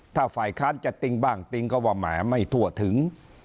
ถ้าฝ่ายค้านจะติ้งบ้างติ้งก็ว่าแหมไม่ทั่วถึง